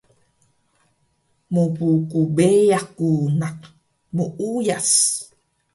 Mpkbeyax ku naq muuyas